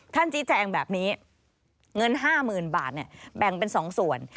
ท่านชี้แจงแบบนี้เงินห้าหมื่นบาทแบ่งเป็นสองส่วน